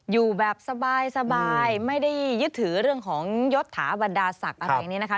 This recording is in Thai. อยู่แบบสบายไม่ได้ยึดถือเรื่องของยศถาบรรดาศักดิ์อะไรนี้นะคะ